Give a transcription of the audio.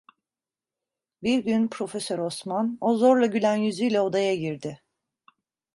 Bir gün Profesör Osman, o zorla gülen yüzüyle odaya girdi.